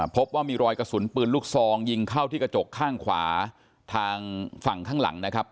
พบว่ามีรอยกระสุนปืนลูกซองยิงเข้าที่กระจกข้างขวาทางฝั่งข้างหลังนะครับ